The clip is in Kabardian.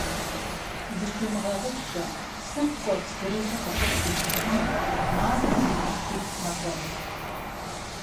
Зыщумыгъэгъупщэ: псыр ткӀуэпс зырызу къыпыткӀуу щытми, мазэм литр щиплӀ мэкӀуэд.